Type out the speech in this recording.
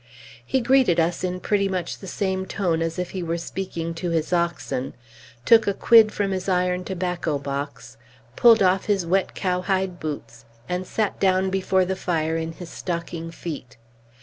He greeted us in pretty much the same tone as if he were speaking to his oxen, took a quid from his iron tobacco box, pulled off his wet cowhide boots, and sat down before the fire in his stocking feet.